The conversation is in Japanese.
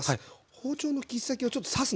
包丁の切っ先をちょっと刺すの。